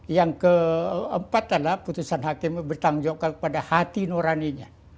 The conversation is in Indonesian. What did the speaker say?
yang keempat adalah putusan hakim itu dipertanggungjawabkan kepada hati noraninya